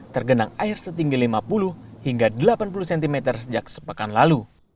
tergenang air setinggi lima puluh hingga delapan puluh cm sejak sepekan lalu